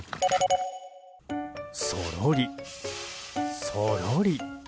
そろり、そろり。